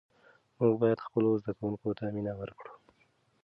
موږ باید خپلو زده کوونکو ته مینه ورکړو.